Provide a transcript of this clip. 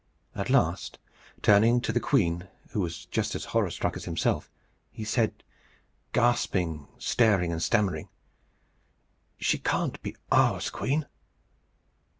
At last, turning to the queen, who was just as horror struck as himself, he said, gasping, staring, and stammering, "She can't be ours, queen!"